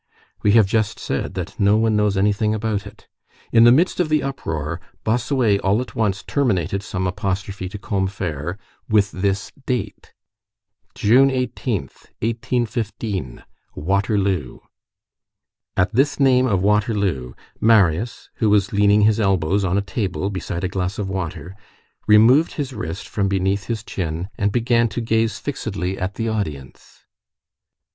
We have just said, that no one knows anything about it. In the midst of the uproar, Bossuet all at once terminated some apostrophe to Combeferre, with this date:— "June 18th, 1815, Waterloo." At this name of Waterloo, Marius, who was leaning his elbows on a table, beside a glass of water, removed his wrist from beneath his chin, and began to gaze fixedly at the audience.